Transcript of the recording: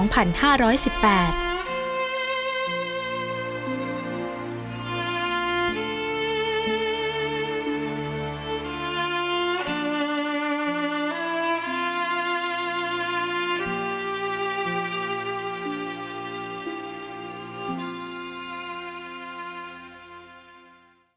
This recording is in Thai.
โปรดติดตามตอนต่อไป